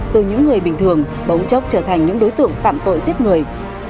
từ những người bình thường bỗng chốc trở thành những đối tượng phạm tội giết người